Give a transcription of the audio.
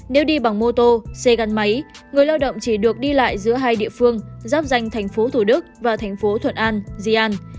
nếu đi bằng mô tô xe gắn máy người lao động chỉ được đi lại giữa hai địa phương giáp danh tp thủ đức và tp thuận an di an